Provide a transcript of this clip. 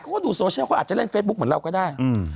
เขาก็ดูโซเชียลเขาอาจจะเล่นเฟซบุ๊คเหมือนเราก็ได้